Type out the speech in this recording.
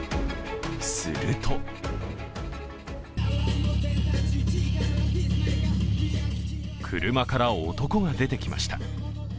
すると車から、男が出てきました。